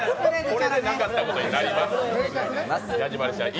これでなかったことになります。